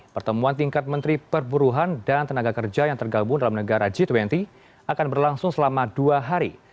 pertemuan tingkat menteri perburuhan dan tenaga kerja yang tergabung dalam negara g dua puluh akan berlangsung selama dua hari